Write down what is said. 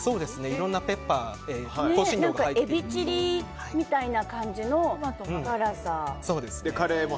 いろんなペッパーエビチリみたいな感じの辛さ。